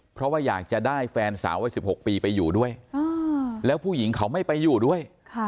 เพราะว่าอยากจะได้แฟนสาววัย๑๖ปีไปอยู่ด้วยแล้วผู้หญิงเขาไม่ไปอยู่ด้วย